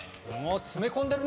詰め込んでるね！